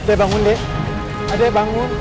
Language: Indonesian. adek bangun dek adek bangun